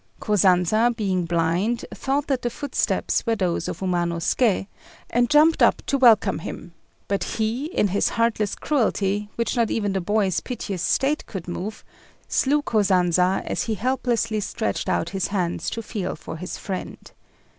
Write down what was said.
Kosanza, being blind, thought that the footsteps were those of Umanosuké, and jumped up to welcome him; but he, in his heartless cruelty, which not even the boy's piteous state could move, slew Kosanza as he helplessly stretched out his hands to feel for his friend.